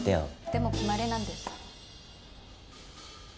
でも決まりなんです。